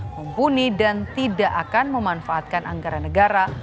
mumpuni dan tidak akan memanfaatkan anggaran negara